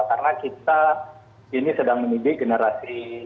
karena kita ini sedang menidik generasi